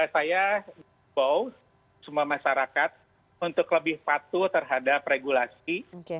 saya bawa semua masyarakat untuk lebih patuh terhadap regulasi